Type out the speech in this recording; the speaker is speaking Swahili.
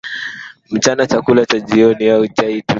mchana chakula cha jioni au chai tu itakuwa